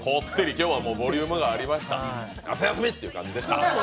今日はボリュームがありました、夏休みって感じでした。